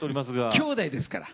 きょうだいですから。